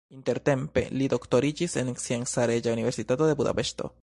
Intertempe li doktoriĝis en Scienca Reĝa Universitato de Budapeŝto.